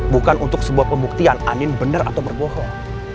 bukan untuk sebuah pembuktian anin benar atau berbohong